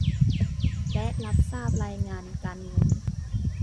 และรับทราบรายงานการเงิน